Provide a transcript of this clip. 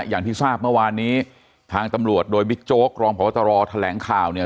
อย่างที่ทราบเมื่อวานนี้ทางตำรวจโดยบิ๊กโจ๊กรองพบตรแถลงข่าวเนี่ย